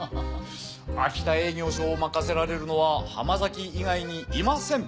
秋田営業所を任せられるのは浜崎以外にいません。